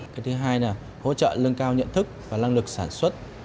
cái thứ hai là hỗ trợ lưng cao nhận thức và lăng lực sản xuất